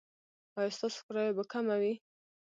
ایا ستاسو کرایه به کمه وي؟